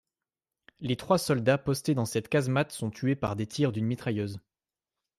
Les trois soldats postés dans cette casemate sont tués par des tirs d'une mitrailleuse.